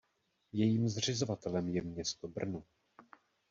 Jejím zřizovatelem je město Brno.